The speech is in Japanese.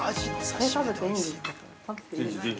◆食べていいんですか。